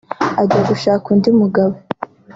ajya gushaka undi mugabo